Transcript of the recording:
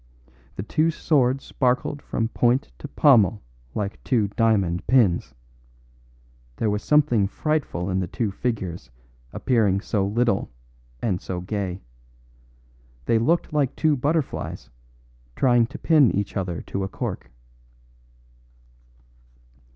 The two swords sparkled from point to pommel like two diamond pins. There was something frightful in the two figures appearing so little and so gay. They looked like two butterflies trying to pin each other to a cork.